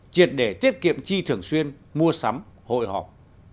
triệt để tiết kiệm chi thường xuyên mua sắm hội họp